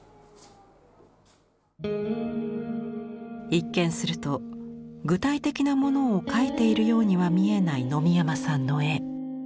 一見すると具体的なものを描いているようには見えない野見山さんの絵。